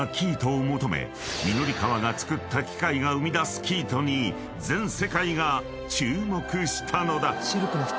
［御法川がつくった機械が生み出す生糸に全世界が注目したのだ］